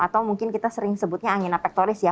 atau mungkin kita sering sebutnya angin apektoris ya